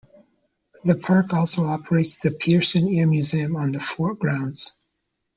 The park also operates the Pearson Air Museum on the fort grounds.